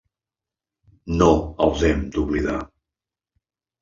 No els hem d’oblidar.